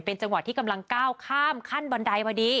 จังหวะที่กำลังก้าวข้ามขั้นบันไดพอดี